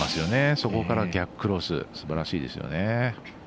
そこから逆クロスすばらしいですよね。